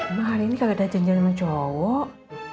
emang hari ini kakak dah jenjel sama cowok